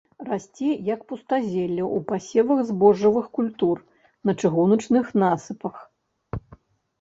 Расце як пустазелле ў пасевах збожжавых культур, на чыгуначных насыпах.